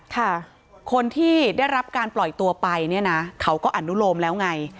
ค่ะคนที่ได้รับการปล่อยตัวไปเนี่ยนะเขาก็อนุโลมแล้วไง